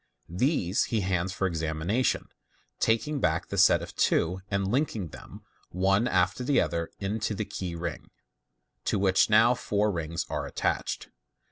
These he hands for examina tion, taking back the set of two, and linking them one after the other into the key ring, to which now four rings are attached.